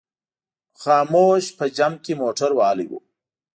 خاموش په جمپ کې موټر وهلی و.